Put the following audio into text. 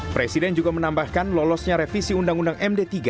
presiden juga menambahkan lolosnya revisi undang undang md tiga